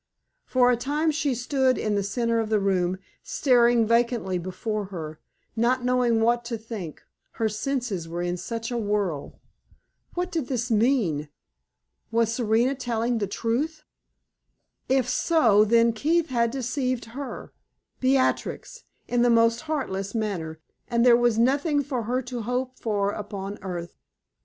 For a time she stood in the center of the room, staring vacantly before her, not knowing what to think, her senses were in such a whirl. What did this mean? Was Serena telling the truth? If so, then Keith had deceived her Beatrix in the most heartless manner; and there was nothing for her to hope for upon earth.